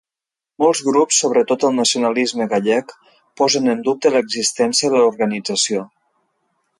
Molts grups, sobretot el nacionalisme gallec, posen en dubte l'existència de l'organització.